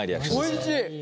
おいしい！